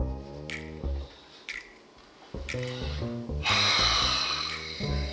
はあ。